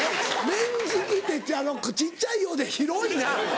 麺好きって小っちゃいようで広いな。